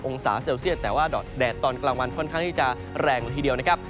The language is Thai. องศาเซลเซียตแต่ว่าแดดตอนกลางวันค่อนข้างที่จะแรงละทีเดียวนะครับ